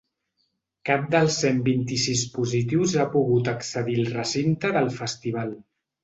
Cap dels cent vint-i-sis positius ha pogut accedir al recinte del festival.